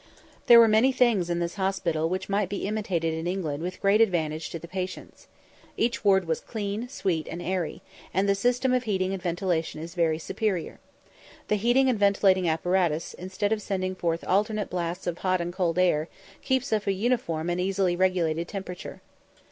There were many things in this hospital which might be imitated in England with great advantage to the patients. Each ward was clean, sweet, and airy; and the system of heating and ventilation is very superior. The heating and ventilating apparatus, instead of sending forth alternate blasts of hot and cold air, keeps up a uniform and easily regulated temperature.